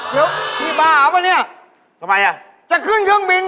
เดี๋ยวนี่บ้าไหร่เปล่านี่